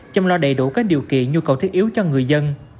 chăm lo đầy đủ các điều kiện nhu cầu thiết yếu cho người dân